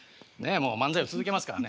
漫才を続けますからね。